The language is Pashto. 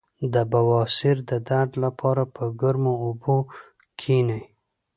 د بواسیر د درد لپاره په ګرمو اوبو کینئ